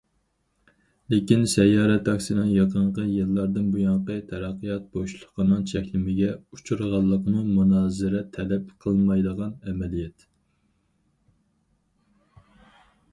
لېكىن سەييارە تاكسىنىڭ يېقىنقى يىللاردىن بۇيانقى تەرەققىيات بوشلۇقىنىڭ چەكلىمىگە ئۇچرىغانلىقىمۇ مۇنازىرە تەلەپ قىلمايدىغان ئەمەلىيەت.